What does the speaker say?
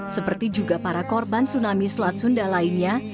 seperti juga para korban tsunami selat sunda lainnya